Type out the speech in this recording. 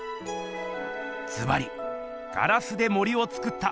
ずばり「ガラスで森をつくった」